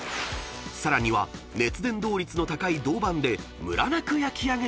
［さらには熱伝導率の高い銅板でむらなく焼き上げている］